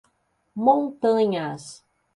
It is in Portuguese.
Montanhas